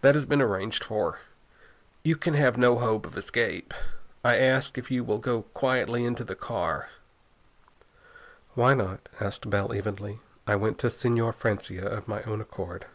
That has been arranged for. You can have no hope of escape. I ask you if you will go quietly into the car?" "Why not?" asked Bell evenly. "I went to Señor Francia of my own accord."